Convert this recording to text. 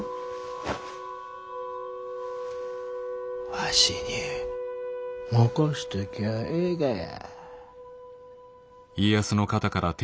わしに任せときゃええがや。